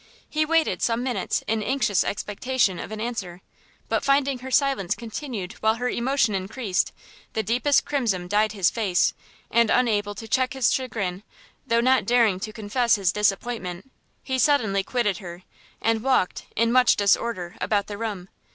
He waited some minutes in anxious expectation of an answer, but finding her silence continued while her emotion encreased, the deepest crimson dyed his face, and unable to check his chagrin, though not daring to confess his disappointment, he suddenly quitted her, and walked, in much disorder, about the room.